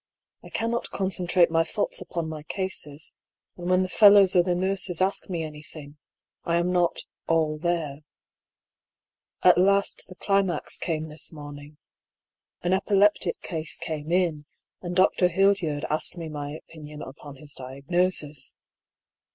I cannot concentrate my thoughts upon my cases ; and when the fellows or the nurses ask me anything, I am not " all there." At last the climax came this morning. An epileptic case came in, and Dr. Hildyard asked my opinion upon his diagnosis.